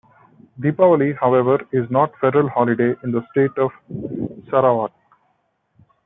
Deepavali however, is not federal holiday in the state of Sarawak.